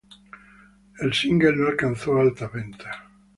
El single no alcanzó altas ventas.